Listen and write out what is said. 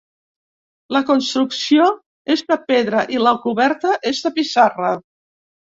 La construcció és de pedra i la coberta és de pissarra.